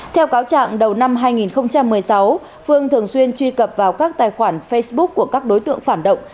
theo cáo trạng đầu năm hai nghìn một mươi sáu phương thường xuyên truy cập vào các tài khoản facebook của các đối tượng phản động